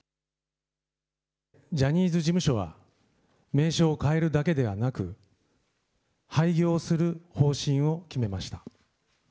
ジャニーズ事務所は、名称を変えるだけではなく、廃業する方針を決めました。